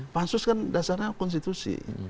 pansus kan dasarnya konstitusi